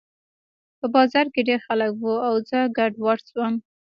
په بازار کې ډېر خلک وو او زه ګډوډ شوم